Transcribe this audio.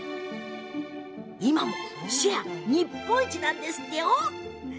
今もシェア日本一なんですって。